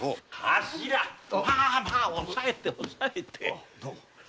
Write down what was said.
まあまあおさえておさえて。